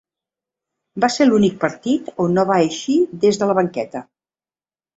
Va ser l'únic partit on no va eixir des de la banqueta.